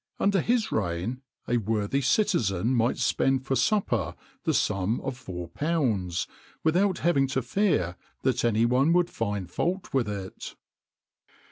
Under his reign, a worthy citizen might spend for supper the sum of four pounds, without having to fear that any one would find fault with it.